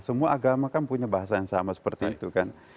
semua agama kan punya bahasa yang sama seperti itu kan